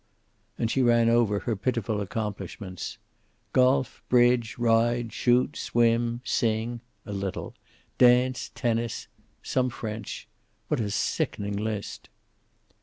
And she ran over her pitiful accomplishments: "golf, bridge, ride, shoot, swim, sing (a little), dance, tennis, some French what a sickening list!"